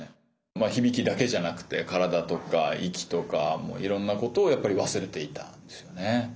まあ響きだけじゃなくて体とか息とかいろんなことを忘れていたんですよね。